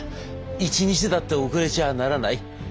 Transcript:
一日だって遅れちゃならない」。